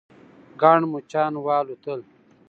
ګڼ مچان والوتل.